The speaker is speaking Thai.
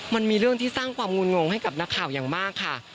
มันมีเรื่องที่สร้างความงุ่นงงให้กับนักข่าวอย่างมากค่ะ